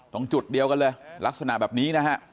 ตรงจุดเดียวกันเลยลักษณะแบบนี้นะฮะ